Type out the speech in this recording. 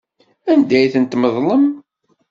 Anda ay tent-tmeḍlem?